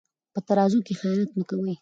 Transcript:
په ترازو کې خیانت مه کوئ.